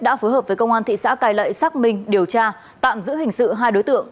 đã phối hợp với công an thị xã cai lậy xác minh điều tra tạm giữ hình sự hai đối tượng